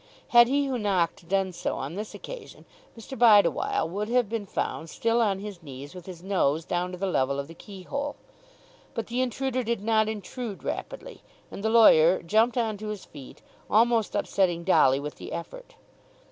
Had he who knocked done so on this occasion Mr. Bideawhile would have been found still on his knees, with his nose down to the level of the keyhole. But the intruder did not intrude rapidly, and the lawyer jumped on to his feet, almost upsetting Dolly with the effort.